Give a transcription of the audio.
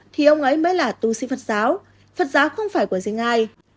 thì ông ấy mới là tu sĩ phật giáo phật giáo không phải của riêng ai